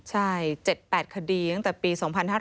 ใช่๗๘คดีตั้งแต่ปี๒๕๕๙